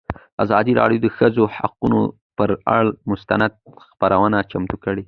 ازادي راډیو د د ښځو حقونه پر اړه مستند خپرونه چمتو کړې.